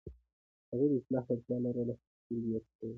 هغوی د اصلاح وړتیا لرله، خو سترګې یې پټولې.